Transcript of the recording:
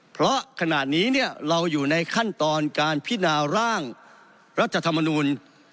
เพราะขณะนี้เนี่ยเราอยู่ในขั้นตอนการพินาร่างรัฐธรรมนูล